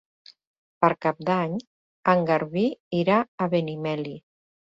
Per Cap d'Any en Garbí irà a Benimeli.